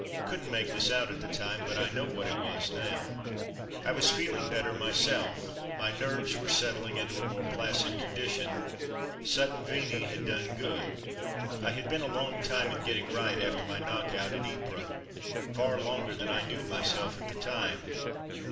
Couldn't make this out at the time, but I know what it was now. I was feeling better myself, my nerves were set tling into a more placid condition. Sutton Veney had done good. I had been a long time in getting right after my knock out at Ypres — far longer than I knew myself at the time.